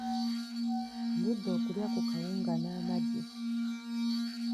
Ndudde okulya ku kawunga n'amagi.